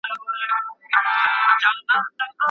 ستا د رحمت د برکته په پوره حساب سوم